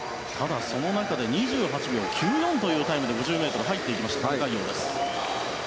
その中で２８秒９４というタイムで５０ｍ入っていったタン・カイヨウです。